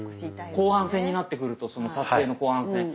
後半戦になってくるとその撮影の後半戦。